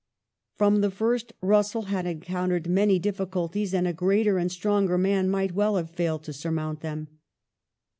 From the first Russell had encountered many difficulties, and a greater and stronger man might well have failed to surmount them.